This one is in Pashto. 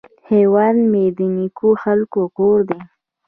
هیواد مې د نیکو خلکو کور دی